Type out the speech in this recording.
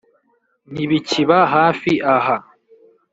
ntibikiba hafi aha